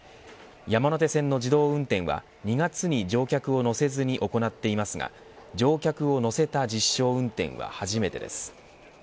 山手線の自動運転は２月に乗客を乗せずに行っていますが乗客を乗せた実証運転は初めてです。